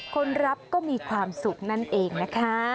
คนรับก็มีความสุขนั่นเองนะคะ